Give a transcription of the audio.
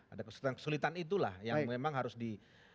ada kesulitan itulah yang memang harus di